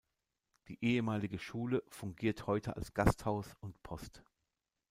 Die ehemalige Schule fungiert heute als Gasthaus und Post.